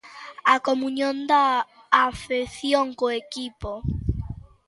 A comuñón da afección co equipo.